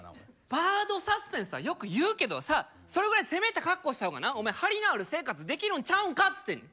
バードサスペンスはよく言うけどさそれぐらい攻めた格好した方がなお前張りのある生活できるんちゃうんかっつってんねん。